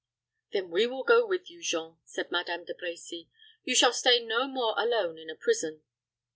"Then we will go with you, Jean," said Madame De Brecy. "You shall stay no more alone in a prison."